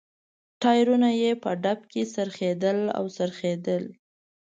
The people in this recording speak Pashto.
ټایرونه یې په ډب کې څرخېدل او څرخېدل.